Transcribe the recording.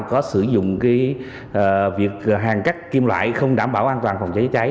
có sử dụng việc hàng cắt kim loại không đảm bảo an toàn phòng cháy cháy